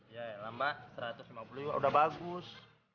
ya lama satu ratus lima puluh juga udah bagus